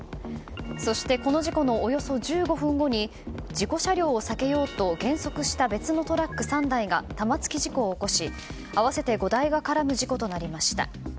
そしてこの事故のおよそ１５分後に事故車両を避けようと減速した別のトラック３台が玉突き事故を起こし合わせて５台が絡む事故となりました。